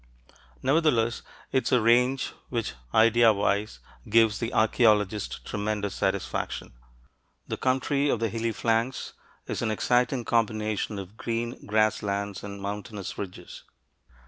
Nevertheless it is a range which, idea wise, gives the archeologist tremendous satisfaction. The country of the hilly flanks is an exciting combination of green grasslands and mountainous ridges.